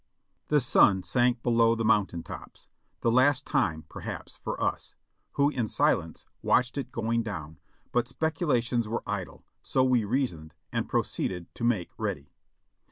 The sun sank below the mountain tops, the last time perhaps for us, who in silence watched it going down ; but speculations were idle, so we reasoned, and proceeded to make ready.